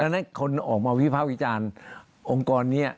ดังนั้นคนออกมาวิภาควิจารณ์องค์กรนี้